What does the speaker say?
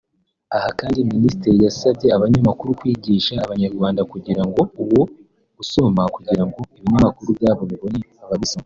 Aha kandi Ministiri yasabye abanyamakuru kwigisha Abanyarwanda kugira umuco wo gusoma kugira ngo ibinyamakuru byabo bibone ababisoma